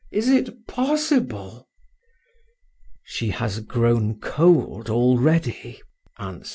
Is it possible?" "She has grown cold already," answered M.